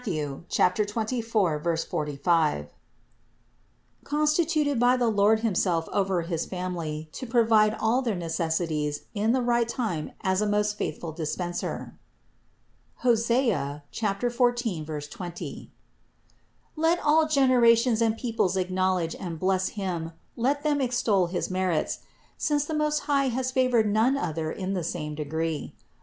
24, 45), constituted by the Lord himself over his family to provide for all their necessities in the right time as a most faithful dispenser (Os. 14, 20). Let all generations and peoples acknowledge and bless him, let them extol his merits; since the Most High has favored none other in the same degree.